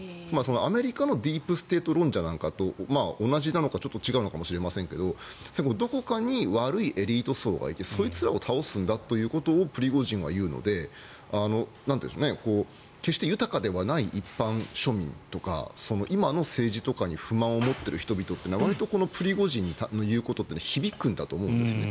アメリカのディープ・ステート論者なんかと同じなのかわかりませんがどこかに悪いエリート層がいてそいつらを倒すんだということをプリゴジンは言うので決して豊かではない一般庶民とか今の政治とかに不満を持ってる人々というのはわりとプリゴジンの言うことは響くんだと思うんですね。